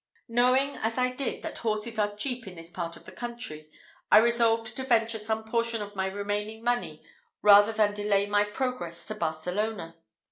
Knowing, as I did, that horses are cheap in this part of the country, I resolved to venture some portion of my remaining money, rather than delay my progress to Barcelona.